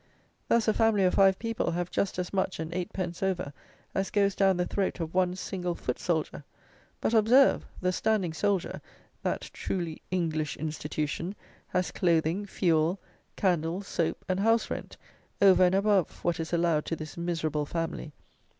Thus, a family of five people have just as much, and eight pence over, as goes down the throat of one single foot soldier; but, observe, the standing soldier; that "truly English institution" has clothing, fuel, candle, soap, and house rent, over and above what is allowed to this miserable family!